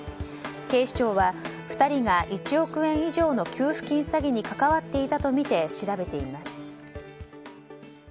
警視庁は２人が１億円以上の給付金詐欺に関わっていたとみて調べています。